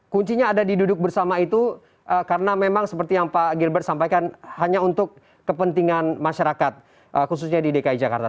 kuncinya ada di duduk bersama itu karena memang seperti yang pak gilbert sampaikan hanya untuk kepentingan masyarakat khususnya di dki jakarta